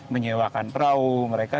menyewakan perahu mereka